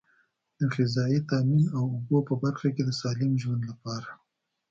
د غذایي تامین او اوبو په برخه کې د سالم ژوند لپاره.